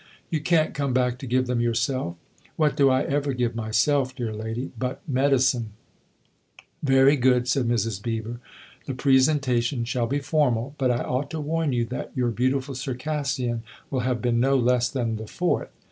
" You can't come back to give them yourself? " "What do I ever give ' myself/ dear lady, but medicine ?"" Very good," said Mrs. Beever ;" the presenta tion shall be formal. But I ought to warn you that your beautiful Circassian will have been no less than the fourth."